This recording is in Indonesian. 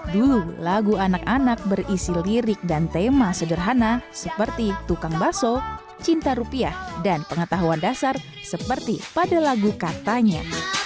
dulu lagu anak anak berisi lirik dan tema sederhana seperti tukang baso cinta rupiah dan pengetahuan dasar seperti pada lagu katanya